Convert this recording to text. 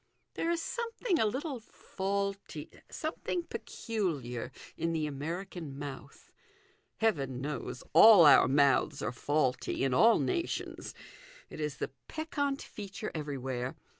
There is something a little faulty, something peculiar, in the American mouth. Heaven knows all our mouths are faulty in all nations it is the peccant feature everywhere.